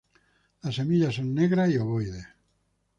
Las semillas son negras y ovoides.